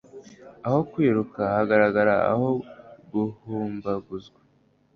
Aho kwiruka, hagarara; aho guhumbaguzwa,